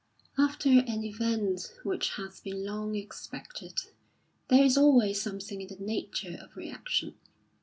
After an event which has been long expected, there is always something in the nature of reaction.